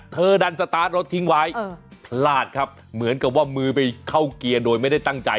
ดันสตาร์ทรถทิ้งไว้พลาดครับเหมือนกับว่ามือไปเข้าเกียร์โดยไม่ได้ตั้งใจ